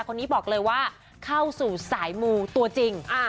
คนนี้บอกเลยว่าเข้าสู่สายมูตัวจริง